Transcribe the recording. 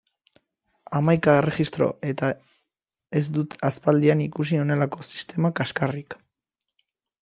Hamaika erregistro eta ez dut aspaldian ikusi honelako sistema kaxkarrik!